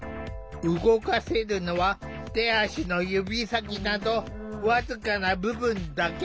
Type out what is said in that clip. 動かせるのは手足の指先など僅かな部分だけ。